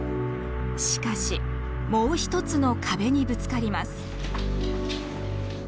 しかしもう一つの壁にぶつかります。